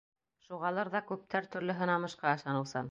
Шуғалыр ҙа күптәр төрлө һынамышҡа ышаныусан.